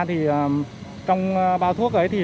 trong bao thuốc ấy